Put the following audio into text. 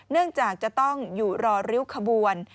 เนื่องจากจะต้องอยู่รอริ้วขบวน